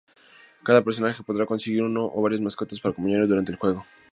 Cada personaje podrá conseguir una o varias mascotas para acompañarlo durante el juego.